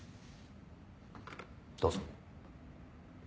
どうぞ。